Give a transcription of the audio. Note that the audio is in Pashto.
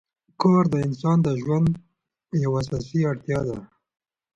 کار د انسان د ژوند یوه اساسي اړتیا ده